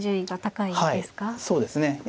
はいそうですね。